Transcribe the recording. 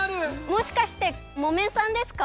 もしかしてモメンさんですか？